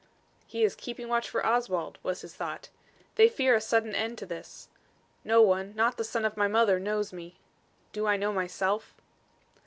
"He is keeping watch for Oswald," was his thought. "They fear a sudden end to this. No one, not the son of my mother knows me. Do I know myself?"